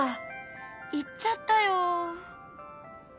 行っちゃったよ。